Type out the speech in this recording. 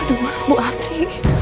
aduh mas bu asri